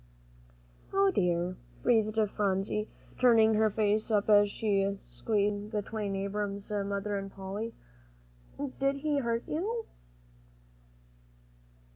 "O dear," breathed Phronsie, turning her face up as she sat squeezed in between Abram's mother and Polly, "did he hurt you?"